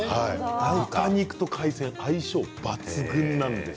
豚肉と海鮮相性抜群なんです。